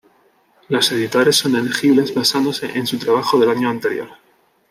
Los editores son elegibles basándose en su trabajo del año anterior.